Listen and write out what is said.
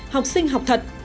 học sinh học thật